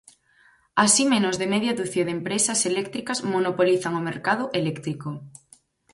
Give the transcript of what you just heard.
Así menos de media ducia de empresas eléctricas monopolizan o mercado eléctrico.